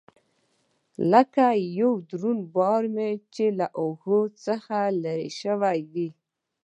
لکه يو دروند بار مې چې له اوږو څخه لرې سوى وي.